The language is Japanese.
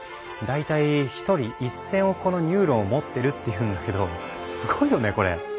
大体１人１，０００億個のニューロンを持ってるっていうんだけどすごいよねこれ。